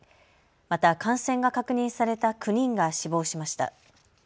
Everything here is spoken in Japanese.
また感染が確認された９人が死亡しました。